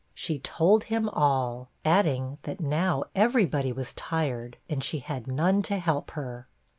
She told him all, adding that now every body was tired, and she had none to help her.